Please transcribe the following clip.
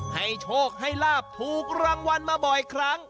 โชคให้ลาบถูกรางวัลมาบ่อยครั้ง